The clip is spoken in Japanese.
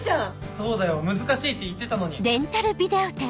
そうだよ難しいって言ってたのに。